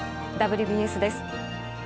「ＷＢＳ」です。